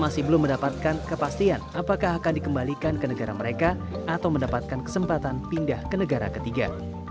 masih belum mendapatkan kepastian apakah akan dikembalikan ke negara mereka atau mendapatkan kesempatan pindah ke negara ketiga